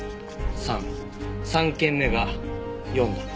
３件目が４だ。